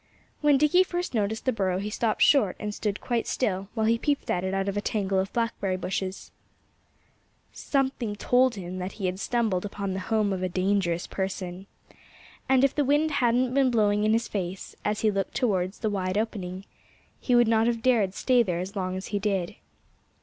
When Dickie first noticed the burrow he stopped short and stood quite still, while he peeped at it out of a tangle of blackberry bushes. Something told him that he had stumbled upon the home of a dangerous person. And if the wind hadn't been blowing in his face, as he looked towards the wide opening, he would not have dared stay there as long as he did.